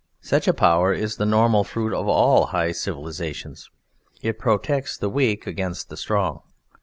Such a power is the normal fruit of all high civilizations. It protects the weak against the strong.